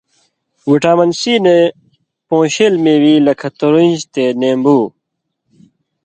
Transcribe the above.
وٹامن سی نے پون٘شېل مېوی لکھہ ترنج تے نېمبو۔